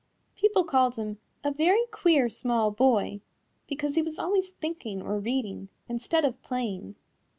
People called him a "very queer small boy" because he was always thinking or reading instead of playing.